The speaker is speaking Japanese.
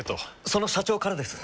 その社長からです。